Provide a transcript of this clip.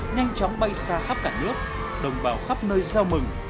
nhanh chóng bay xa khắp cả nước đồng bào khắp nơi giao mừng